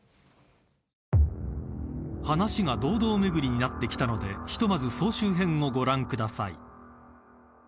［話が堂々巡りになってきたのでひとまず総集編をご覧ください］